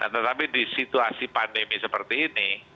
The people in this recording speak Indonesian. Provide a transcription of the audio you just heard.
tetapi di situasi pandemi seperti ini